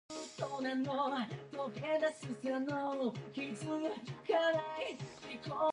He has three sons, Antonio, T. J., and Shawn.